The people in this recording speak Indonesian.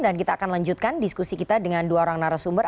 dan kita akan lanjutkan diskusi kita dengan dua orang narasumber